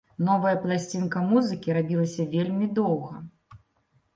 Новая пласцінка музыкі рабілася вельмі доўга.